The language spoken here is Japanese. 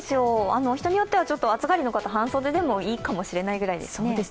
人によっては暑がりの方、半袖でもいいかもしれないぐらいですね。